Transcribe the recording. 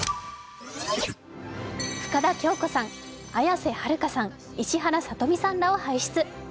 深田恭子さん、綾瀬はるかさん、石原さとみさんらを排出。